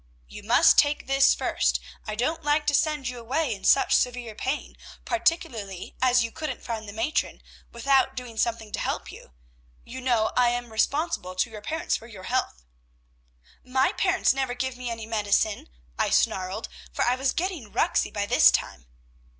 "'You must take this first. I don't like to send you away in such severe pain, particularly as you couldn't find the matron, without doing something to help you. You know I am responsible to your parents for your health!' "'My parents never give me any medicine,' I snarled, for I was getting ruxy by this time.